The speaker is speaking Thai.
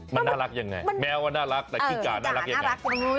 มันน่ารักยังไงแมวว่าน่ารักแต่ขี้จ่าน่ารักยังไง